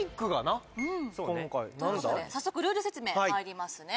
今回早速ルール説明まいりますね